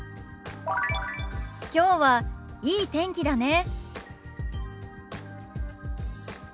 きょうはいい天気だね。